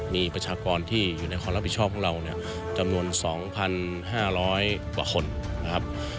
มีประชากรที่อยู่ในความรับผิดชอบของเราเนี่ยจำนวน๒๕๐๐กว่าคนนะครับ